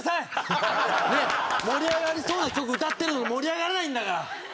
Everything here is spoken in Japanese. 盛り上がりそうな曲を歌ってるのに盛り上がらないんだから！